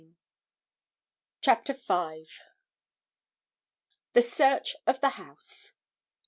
CHAPTER V. The Search of the House.